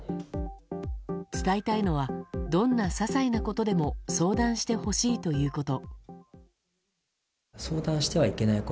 伝えたいのはどんな些細なことでも相談してほしいということ。